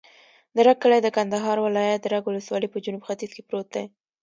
د رګ کلی د کندهار ولایت، رګ ولسوالي په جنوب ختیځ کې پروت دی.